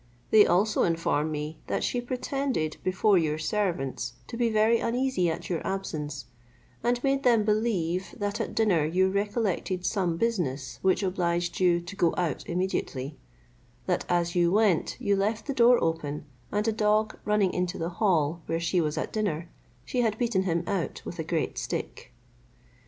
They also inform me that she pretended before your servants to be very uneasy at your absence, and made them believe, that at dinner you recollected some business which obliged you to go out immediately; that as you went, you left the door open, and a dog running into the hall where she was at dinner, she had beaten him out with a great stick.